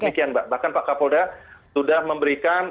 demikian mbak bahkan pak kapolda sudah memberikan